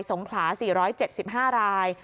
งขลา๔๗๕ราย